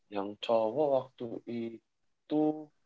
yang cowo waktu itu